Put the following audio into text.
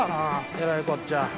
えらいこっちゃ。